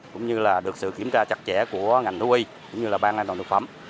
cũng như là được sự kiểm tra chặt chẽ của ngành thú y cũng như là ban an toàn thực phẩm